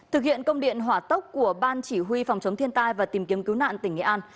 thực hiện công điện hỏa tốc của ban chỉ huy phòng chống thiên tai và tìm kiếm cứu nạn tỉnh nghệ an